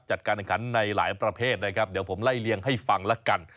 จัดการแข่งขันในหลายประเภทนะครับเดี๋ยวผมไล่เลี่ยงให้ฟังแล้วกัน